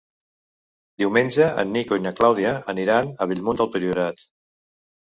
Diumenge en Nico i na Clàudia aniran a Bellmunt del Priorat.